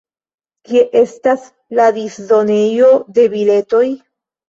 Kie estas la disdonejo de biletoj?